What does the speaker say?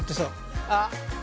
あっ！